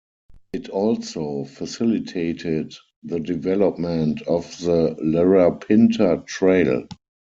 It also facilitated the development of the Larapinta Trail.